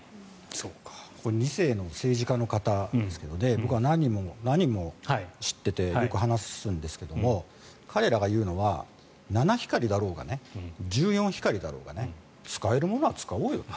２世の政治家の方ですが僕は何人も知っていてよく話すんですが彼らが言うのは七光りだろうが十四光だろうが使えるものは使おうよと。